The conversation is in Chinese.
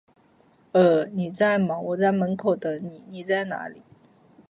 呃…你在吗，我在门口等你，你在哪里？